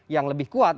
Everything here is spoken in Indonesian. yang lebih kuat